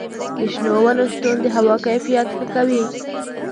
د شنو ونو شتون د هوا کیفیت ښه کوي.